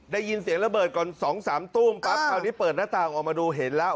ได้ยินเสียงระเบิดก่อน๒๓ตุ้มปั๊บคราวนี้เปิดหน้าต่างออกมาดูเห็นแล้ว